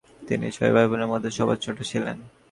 তিনি ছয় ভাইবোনের মধ্যে সবার ছোট ছিলেন।